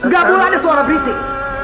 gak boleh ada suara berisik